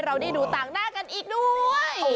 เราได้ดูต่างหน้ากันอีกด้วย